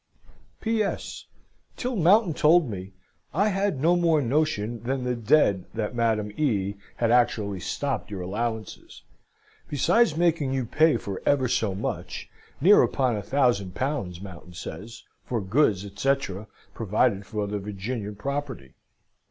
W. "P.S. Till Mountain told me, I had no more notion than the ded that Madam E. had actially stopt your allowances; besides making you pay for ever so much near upon 1000 pounds Mountain says for goods, etc., provided for the Virginian proparty.